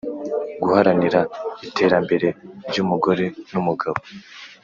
Guharanira iterambere ry umugore n umugabo